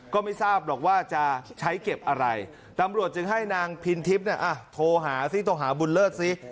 ก็ไม่ทราบหรอกว่าจะใช้เก็บอะไรตำรวจจึงให้นางพินทิพย์เนี่ยโทรหาซิโทรหาบุญเลิศสิ